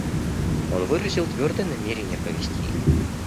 Он выразил твердое намерение провести их.